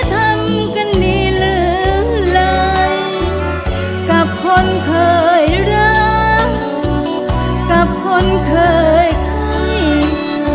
ทำกันดีหรือเลยกับคนเคยรักกับคนเคยข้าง